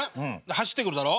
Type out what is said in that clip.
走ってくるだろ？